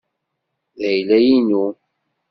D ayla-inu.